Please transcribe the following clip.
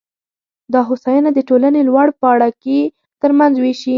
دا هوساینه د ټولنې لوړ پاړکي ترمنځ وېشي